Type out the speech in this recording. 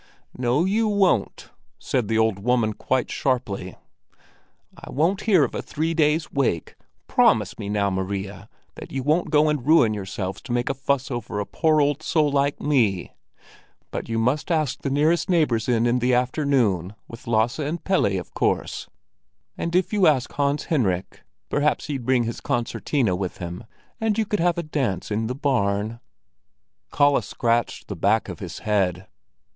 "No, you won't!" said the old woman quite sharply. "I won't hear of a three days' wake! Promise me now, Maria, that you won't go and ruin yourselves to make a fuss over a poor old soul like me! But you must ask the nearest neighbors in in the afternoon, with Lasse and Pelle, of course. And if you ask Hans Henrik, perhaps he'd bring his concertina with him, and you could have a dance in the barn." Kalle scratched the back of his head.